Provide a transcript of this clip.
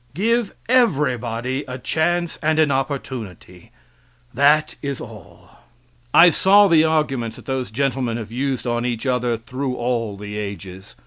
Give everybody a chance and an opportunity; that is all. I saw the arguments that those gentlemen have used on each other through all the ages.